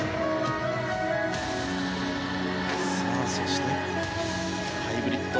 そしてハイブリッド。